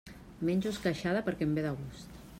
Menjo esqueixada perquè em ve de gust.